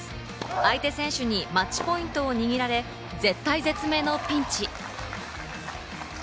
相手選手にマッチポイントを握られ、絶体絶命のピンチ。